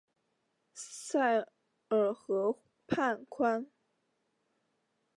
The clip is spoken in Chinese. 塞尔河畔宽。